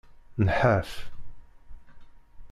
Nḥaf.